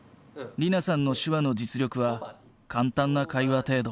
莉菜さんの手話の実力は簡単な会話程度。